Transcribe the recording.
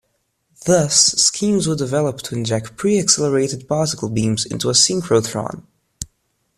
Thus, schemes were developed to inject pre-accelerated particle beams into a synchrotron.